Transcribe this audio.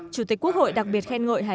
chủ tịch quốc hội đặc biệt khen ngội hải phòng